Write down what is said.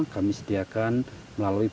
kami sediakan melalui bantuan